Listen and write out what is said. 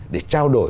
để trao đổi